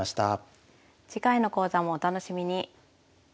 次回の講座もお楽しみに。